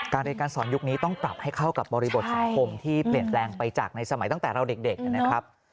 เรียนการสอนยุคนี้ต้องปรับให้เข้ากับบริบทสังคมที่เปลี่ยนแปลงไปจากในสมัยตั้งแต่เราเด็กนะครับ